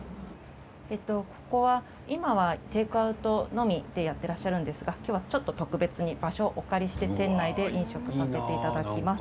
ここは今はテイクアウトのみでやってらっしゃるんですが今日はちょっと特別に場所をお借りして店内で飲食させていただきます。